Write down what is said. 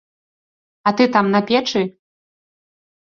А ты там на печы?